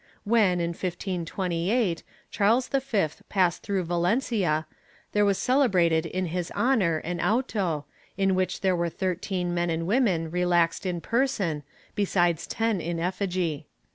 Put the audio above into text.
When, in 1528, Charles V passed through Valencia, there was celebrated in his honor an auto, in which there were thirteen men and women relaxed in person, besides ten in effigy.